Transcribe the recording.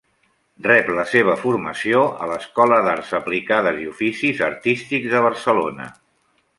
Rep la seva formació a l'Escola d'Arts Aplicades i Oficis Artístics de Barcelona.